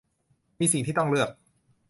มีสิ่งที่ต้องเลือก